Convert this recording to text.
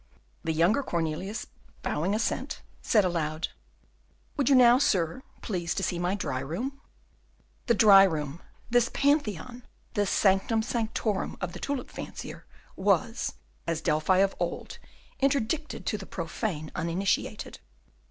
The younger Cornelius, bowing assent, said aloud, "Would you now, sir, please to see my dry room?" The dry room, this pantheon, this sanctum sanctorum of the tulip fancier, was, as Delphi of old, interdicted to the profane uninitiated.